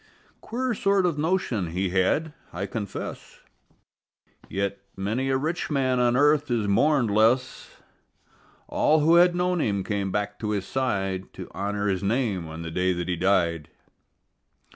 Queer sort of notion he had, I confess, Yet many a rich man on earth is mourned less. All who had known him came back to his side To honor his name on the day that he died.